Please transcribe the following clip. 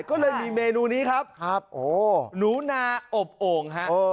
ก็เลยมีเมนูนี้ครับหนูนาอบโอ่งฮะ